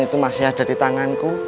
itu masih ada di tanganku